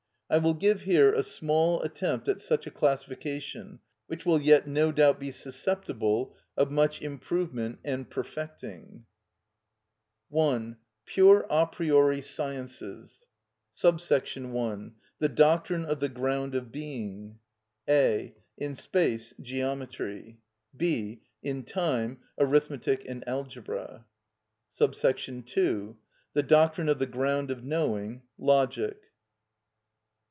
I will give here a small attempt at such a classification, which will yet no doubt be susceptible of much improvement and perfecting:— I. Pure a priori Sciences. 1. The doctrine of the ground of being. (a.) In space: Geometry. (b.) In time: Arithmetic and Algebra. 2. The doctrine of the ground of knowing: Logic.